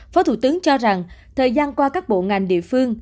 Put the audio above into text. phó thủ tướng cho rằng thời gian qua các bộ ngành địa phương